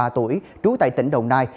ba mươi ba tuổi trú tại tỉnh đồng nai